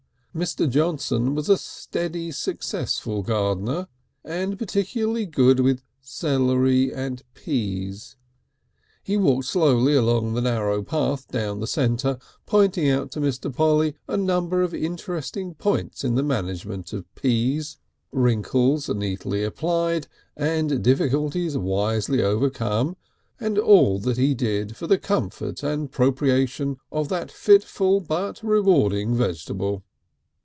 Mr. Johnson was a steady, successful gardener, and particularly good with celery and peas. He walked slowly along the narrow path down the centre pointing out to Mr. Polly a number of interesting points in the management of peas, wrinkles neatly applied and difficulties wisely overcome, and all that he did for the comfort and propitiation of that fitful but rewarding vegetable.